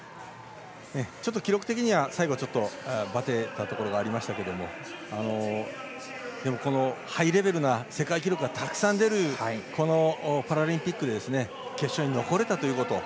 記録的には、最後ばてたところがありましたけれどもでも、ハイレベルな世界記録がたくさん出るこのパラリンピックで決勝に残れたということ。